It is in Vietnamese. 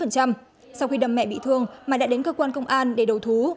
sau khi đâm mẹ bị thương mà đã đến cơ quan công an để đầu thú